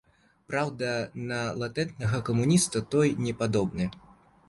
Праўда, на латэнтнага камуніста той не падобны.